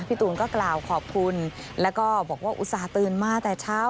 ตูนก็กล่าวขอบคุณแล้วก็บอกว่าอุตส่าห์ตื่นมาแต่เช้า